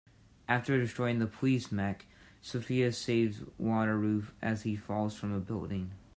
After destroying the Police Mech, Sophia saves Wataru as he falls from a building.